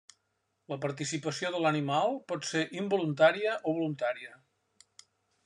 La participació de l'animal pot ser involuntària o voluntària.